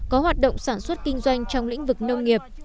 có hoạt động sản xuất kinh doanh trong lĩnh vực nông nghiệp